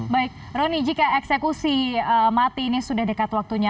baik roni jika eksekusi mati ini sudah dekat waktunya